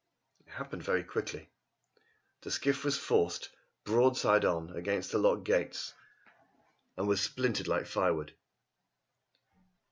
It happened very quickly. The skiff was forced, broadside on, against the lock gates, and was splintered like firewood.